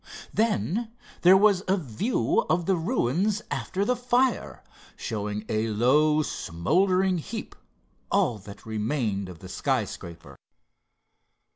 Then there was a view of the ruins after the fire, showing a low smouldering heap, all that remained of the skyscraper.